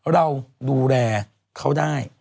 เราดูแลเขาได้